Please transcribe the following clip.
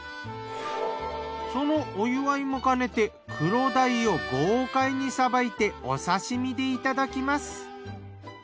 そのお祝いもかねて黒鯛を豪快にさばいてお刺身でいただきます。